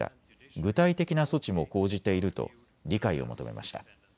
具体的な措置も講じていると理解を求めました。